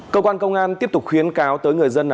cơ quan công an tiếp tục khuyến cáo tới người dân